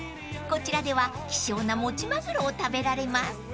［こちらでは希少なもち鮪を食べられます］